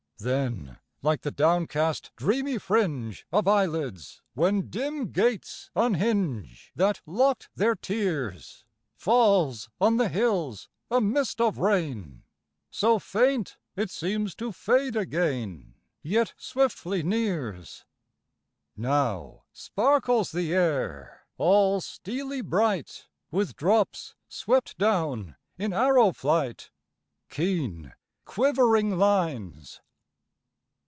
Then, like the downcast dreamy fringe Of eyelids, when dim gates unhinge That locked their tears, Falls on the hills a mist of rain, So faint, it seems to fade again; Yet swiftly nears. Now sparkles the air, all steely bright, With drops swept down in arrow flight, Keen, quivering lines.